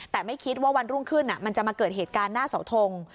แต่ไม่คิดว่าวันรุ่งขึ้นมันจะมาเกิดเหตุการณ์หน้าเสาทง